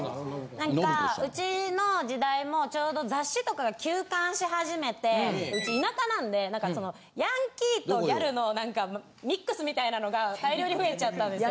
何かうちの時代もちょうど雑誌とかが休刊し始めてうち田舎なんでヤンキーとギャルのミックスみたいなのが大量に増えちゃったんですよ。